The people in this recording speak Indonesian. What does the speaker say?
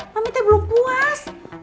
mami teh belum puas